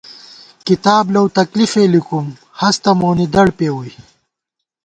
کِتاب لَؤ تکلیفے لِکُم ، ہستہ مونی دڑ پېوُئی